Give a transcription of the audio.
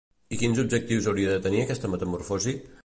I quins objectius hauria de tenir aquesta metamorfosi?